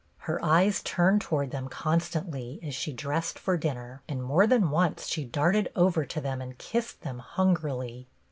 Her eyes turned towards them constantly as she dressed for dinner, and more than once she darted over to them and kissed them hungrily.